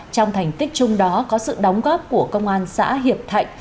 trong thành tích chung đó có sự đóng góp của công an xã hiệp thạnh